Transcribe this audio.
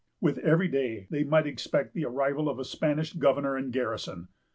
With every day they might expect the arrival of a Spanish governor and garrison.